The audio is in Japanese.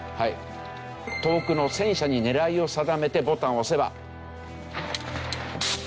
遠くの戦車に狙いを定めてボタンを押せば。